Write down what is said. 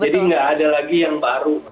jadi nggak ada lagi yang baru